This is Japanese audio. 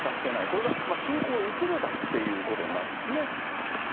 これが信仰が薄れたっていうことになるんですね。